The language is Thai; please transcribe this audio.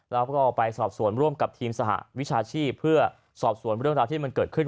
แล้วก็ไปสอบสวนร่วมกับทีมสหวิชาชีพเพื่อสอบสวนเรื่องราวที่มันเกิดขึ้น